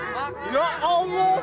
mak kenapa mak